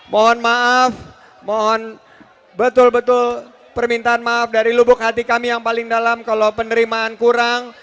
mohon maaf mohon betul betul permintaan maaf dari lubuk hati kami yang paling dalam kalau penerimaan kurang